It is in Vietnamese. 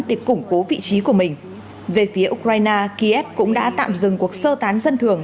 để củng cố vị trí của mình về phía ukraine kiev cũng đã tạm dừng cuộc sơ tán dân thường